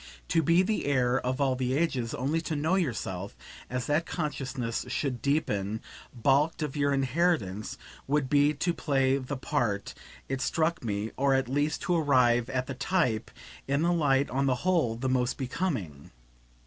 To be the heir of all the ages only to know yourself, as that consciousness should deepen, balked of your inheritance, would be to play the part, it struck me, or at least to arrive at the type, in the light on the whole the most becoming.